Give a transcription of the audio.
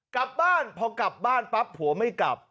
กลับบ้านพอกลับบ้านปั๊บผัวไม่กลับ